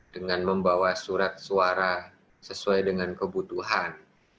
dengan membawa surat suara sesuai dengan kebutuhan